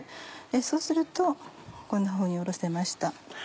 そうするとこんなふうにおろせました。